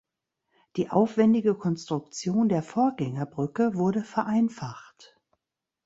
Die aufwendige Konstruktion der Vorgängerbrücke wurde vereinfacht.